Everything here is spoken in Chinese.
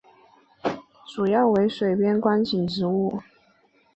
为主要水边观景植物。